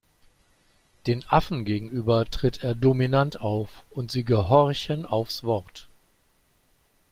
Den Affen gegenüber tritt er dominant auf, und sie gehorchen aufs Wort.